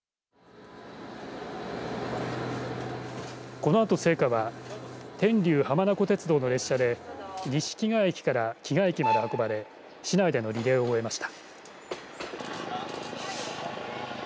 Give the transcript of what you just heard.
このあと聖火は天竜浜名湖鉄道の列車で西気賀駅から気賀駅まで運ばれ市内でのリレーを終えました。